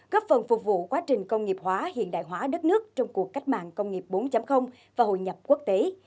góp phần phục vụ quá trình công nghiệp hóa hiện đại hóa đất nước trong cuộc cách mạng công nghiệp bốn và hội nhập quốc tế